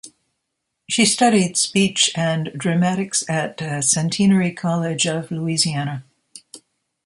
She studied speech and dramatics at Centenary College of Louisiana.